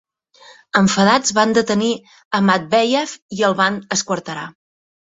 Enfadats, van detenir a Matveyev i el van esquarterar.